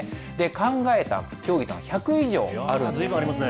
考えた競技は１００以上あるんです。